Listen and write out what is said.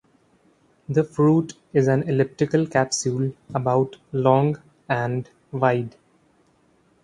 The fruit is an elliptical capsule about long and wide.